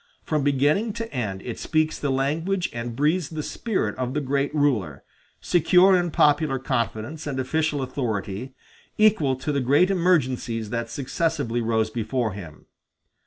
From beginning to end it speaks the language and breathes the spirit of the great ruler, secure in popular confidence and official authority, equal to the great emergencies that successively rose before him.